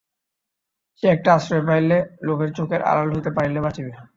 সে একটা আশ্রয় পাইলে, লোকের চোখের আড়াল হইতে পারিলে বাঁচে।